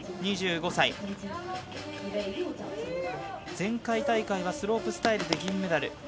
２５歳、前回大会はスロープスタイルで銀メダル。